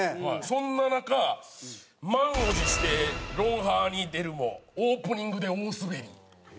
そんな中「満を持して『ロンハー』に出るもオープニングで大スベり」。